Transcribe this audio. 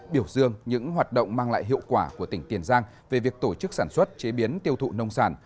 biểu dương những hoạt động mang lại hiệu quả của tỉnh tiền giang về việc tổ chức sản xuất chế biến tiêu thụ nông sản